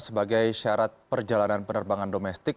sebagai syarat perjalanan penerbangan domestik